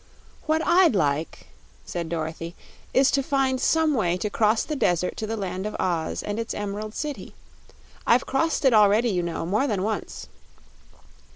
"What I'd like," said Dorothy, "is to find some way to cross the desert to the Land of Oz and its Emerald City. I've crossed it already, you know, more than once.